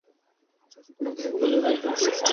চাচি তোমাকে বাড়িতে নিয়ে যাওয়ার জন্য এসেছে।